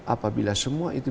apabila semua itu